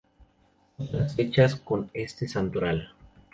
Otras fechas con este santoral;